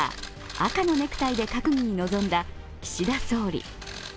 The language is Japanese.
赤のネクタイで閣議に臨んだ岸田総理。